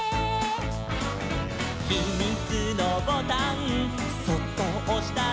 「ひみつのボタンそっとおしたら」「」